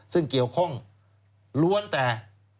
ซึ่งเกี่ยวข้องล้วนแต่